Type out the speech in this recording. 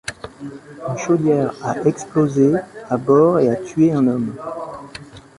Une chaudière a explosé à bord et a tué un homme.